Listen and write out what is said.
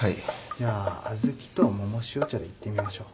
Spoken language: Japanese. じゃあ小豆と百塩茶でいってみましょう。